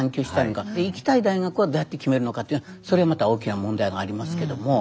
行きたい大学はどうやって決めるのかというのはそれはまた大きな問題がありますけども。